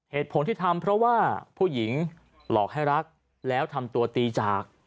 เหตุผลที่ทำเพราะว่าผู้หญิงหลอกให้รักแล้วทำตัวตีจาก